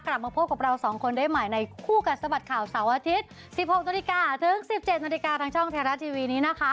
กลับมาพบกับเราสองคนได้ใหม่ในคู่กันสะบัดข่าวเสาร์อาทิตย์